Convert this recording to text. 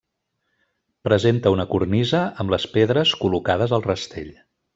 Presenta una cornisa amb les pedres col·locades al rastell.